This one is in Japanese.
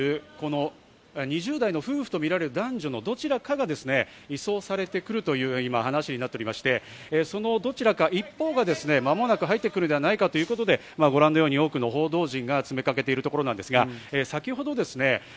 もう間もなく２０代とみられる男女の夫婦のどちらかが移送されてくるという話になっており、そのどちらか一方が間もなく入ってくるんじゃないかということでご覧のように多くの報道陣が詰めかけているところです。